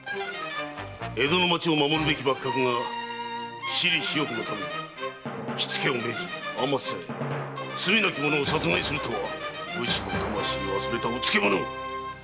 江戸の町を守るべき幕閣が私利私欲のため火付けを命じあまつさえ罪なき者を殺害するとは武士の魂忘れたうつけ者！